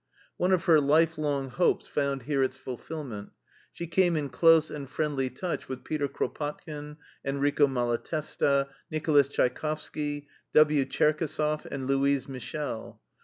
One of her life long hopes found here its fulfillment: she came in close and friendly touch with Peter Kropotkin, Enrico Malatesta, Nicholas Tchaikovsky, W. Tcherkessov, and Louise Michel.